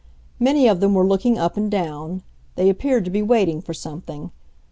Many of them were looking up and down; they appeared to be waiting for something.